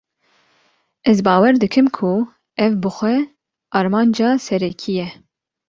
Ez bawer dikim ku ev bi xwe armanca serekî ye